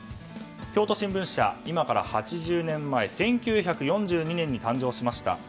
京都新聞社、今から８０年前１９４２年に誕生しました。